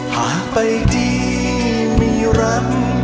หากไปที่มีรัก